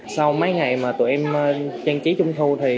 sau mấy ngày mà tụi em trang trí trung thu